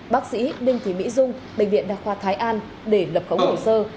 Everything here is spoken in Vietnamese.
bác sĩ đinh thị mỹ dung bệnh viện đa khoa thái an để lập khống hồ sơ